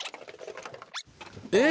えっ！